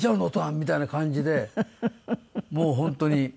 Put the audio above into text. お父さんみたいな感じでもう本当に。